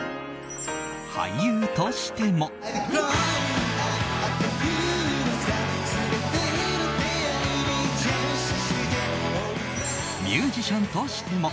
俳優としても。